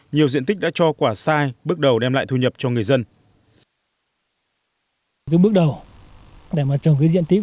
nhiều diện tích đã cho quả sai bước đầu đem lại thu nhập cho người dân